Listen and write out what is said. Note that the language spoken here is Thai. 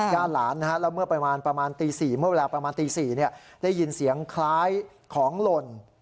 ญาติหลานแล้วเมื่อเวลาประมาณตี๔เดี๋ยวได้ยินเสียงคล้ายของหล่น